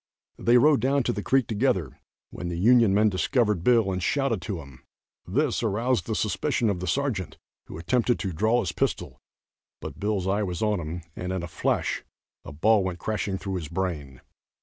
They rode down to the creek together, when the Union men discovered Bill and shouted to him. This aroused the suspicion of the sergeant, who attempted to draw his pistol, but Bill's eye was on him, and in a flash a ball went crashing through his brain.